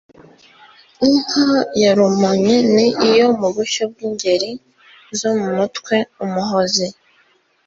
Inka ya Rumonyi: Ni iyo mu bushyo bw’Ingeri zo mu mutwe “Umuhozi”